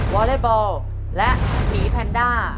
วอเล็กบอลและหมีแพนด้า